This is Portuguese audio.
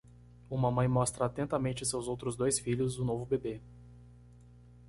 Uma mãe mostra atentamente seus outros dois filhos o novo bebê